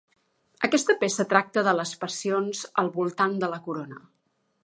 Aquesta peça tracta de les passions al voltant de la corona.